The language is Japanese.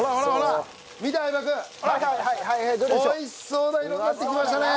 美味しそうな色になってきましたね！